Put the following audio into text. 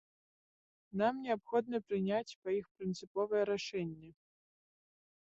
Нам неабходна прыняць па іх прынцыповае рашэнне.